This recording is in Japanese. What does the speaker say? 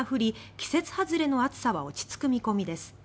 季節外れの暑さは落ち着く見込みです。